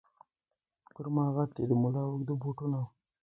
پر ما غټ دي د مُلا اوږده بوټونه